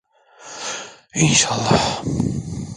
İnşallah…